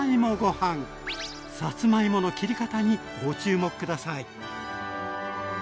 さつまいもの切り方にご注目下さい。